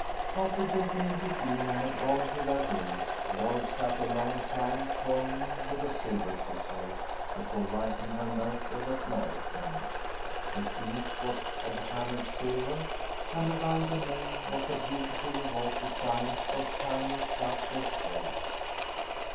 After Betty and Eugenia had gone to their rooms, Lloyd sat a long time toying with the silver scissors, before writing her note of acknowledgment. The sheath was of hammered silver, and around the name was a beautifully wrought design of tiny clustered grapes.